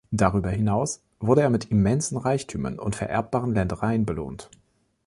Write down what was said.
Darüber hinaus wurde er mit immensen Reichtümern und vererbbaren Ländereien belohnt.